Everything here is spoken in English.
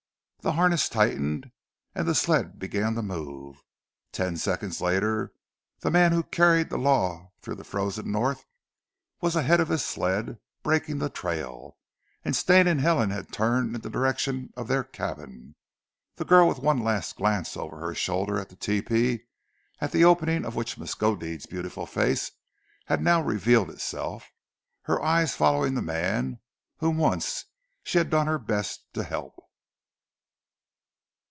The harness tightened, and the sled began to move. Ten seconds later the man who carried the law through the frozen North was ahead of his sled, breaking the trail, and Stane and Helen had turned in the direction of their cabin, the girl with one last glance over her shoulder at the tepee, at the opening of which Miskodeed's beautiful face had now revealed itself, her eyes following the man whom once she had done her best to help.